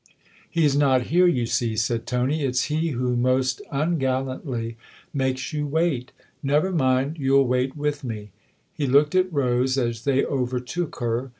" He's not here, you see," said Tony; "it's he who, most ungallantly, makes you wait. Never mind ; you'll wait with me." He looked at Rose as they overtook her.